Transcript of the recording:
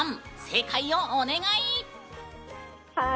正解をお願い！